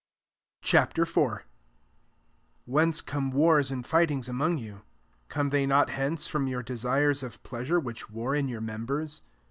Ch. IV. 1 Whence com^ wars and fightings among you ? come they not hence, from your de^ aires of pleasure which war in your members?